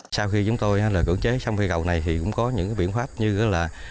sau khi chúng tôi cưỡng chế xong cây cầu này thì cũng có những biện pháp như là